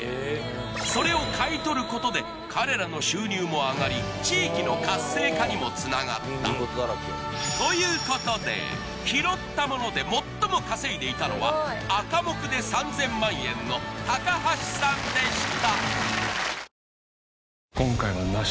それを買い取ることで彼らの収入も上がり地域の活性化にもつながったということで拾ったもので最も稼いでいたのはアカモクで３０００万円の橋さんでした